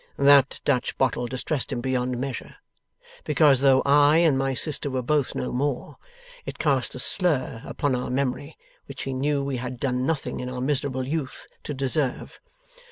That Dutch bottle distressed him beyond measure, because, though I and my sister were both no more, it cast a slur upon our memory which he knew we had done nothing in our miserable youth, to deserve.